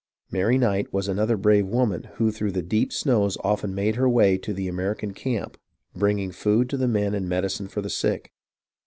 Mary Knight was another brave woman who through the deep snows often made her way to the American camp, bringing food to the men and medicine for the sick.